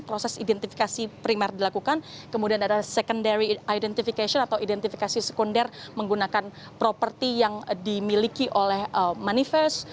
proses identifikasi primer dilakukan kemudian ada secondary identification atau identifikasi sekunder menggunakan properti yang dimiliki oleh manifest